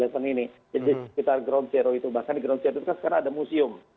jadi sekitar ground zero itu bahkan di ground zero itu kan sekarang ada museum